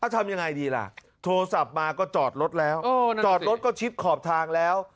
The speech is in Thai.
ทำยังไงดีล่ะโทรศัพท์มาก็จอดรถแล้วจอดรถก็ชิดขอบทางแล้ว